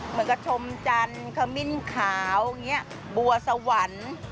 เหมือนกับชมจันทร์ขมิ้นขาวบัวสวรรค์